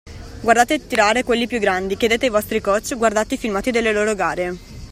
Guardate tirare quelli più grandi, chiedete ai vostri coach, guardate i filmati delle loro gare.